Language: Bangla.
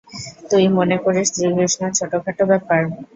তুই মনে করিস শ্রীকৃষ্ণ ছোটখাটো ব্যাপার!